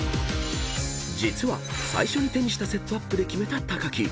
［実は最初に手にしたセットアップでキメた木］